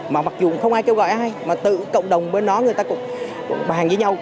mà mặc dù không ai kêu gọi ai mà tự cộng đồng bên đó người ta cũng bàn với nhau